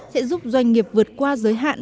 sẽ giúp doanh nghiệp vượt qua giới hạn